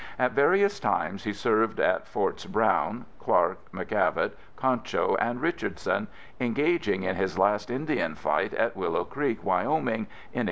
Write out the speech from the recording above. At various times he served at Forts Brown, Clark, McKavett, Concho and Richardson, engaging in his last Indian fight at Willow Creek, Wyoming in 1876.